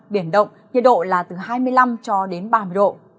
biển động nhiệt độ là từ hai mươi năm ba mươi độ